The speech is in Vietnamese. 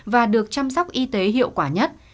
và được chăm sóc y tế hiệu quả nhất